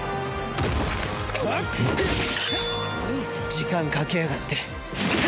時間かけやがって。